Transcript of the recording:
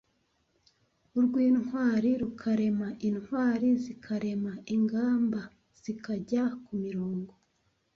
Urw’intwari rukarema: Intwari zikarema ingamba(zikajya ku mirongo).